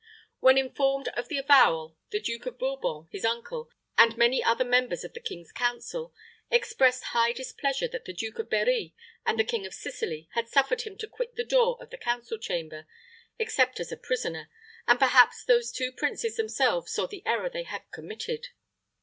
When informed of the avowal, the Duke of Bourbon, his uncle, and many other members of the king's council, expressed high displeasure that the Duke of Berri and the King of Sicily had suffered him to quit the door of the council chamber, except as a prisoner; and perhaps those two princes themselves saw the error they had committed.